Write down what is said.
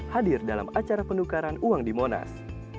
hadir dalam acara penukaran uang di monas